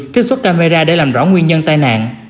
trích xuất camera để làm rõ nguyên nhân tai nạn